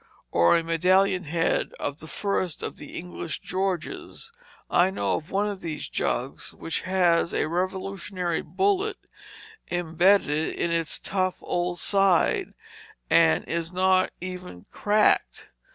or a medallion head of the first of the English Georges. I know one of these jugs which has a Revolutionary bullet imbedded in its tough old side, and is not even cracked.